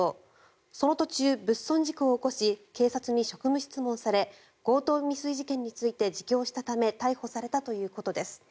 その途中、物損事故を起こし警察に職務質問され強盗未遂事件について自供したため逮捕されたということです。